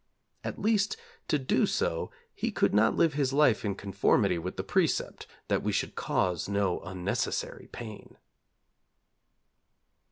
At least to do so he could not live his life in conformity with the precept that we should cause no unnecessary pain.